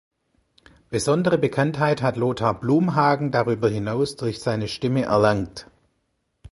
Besondere Bekanntheit hat Lothar Blumhagen darüber hinaus durch seine Stimme erlangt.